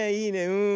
うん。